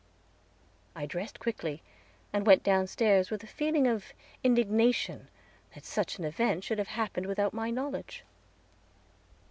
I dressed quickly, and went downstairs with a feeling of indignation that such an event should have happened without my knowledge.